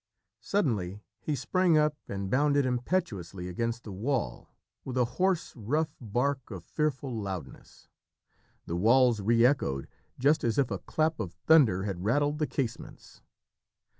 Suddenly he sprang up and bounded impetuously against the wall with a hoarse, rough bark of fearful loudness. The walls re echoed just as if a clap of thunder had rattled the casements.